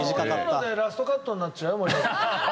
今のでラストカットになっちゃうよ森本君。